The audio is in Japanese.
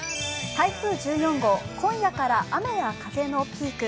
台風１４号、今夜から雨や風のピーク